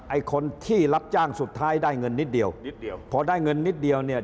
ไอ้คนที่รับจ้างสุดท้ายได้เงินนิดเดียวพอได้เงินนิดเดียวเนี่ย